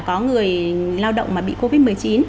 có người lao động mà bị covid một mươi chín